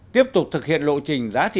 bốn tiếp tục thực hiện lộ trình giá trị